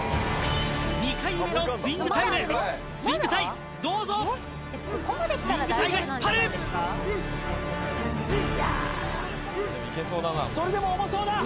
２回目のスイングタイムスイング隊どうぞスイング隊が引っ張るそれでも重そうだ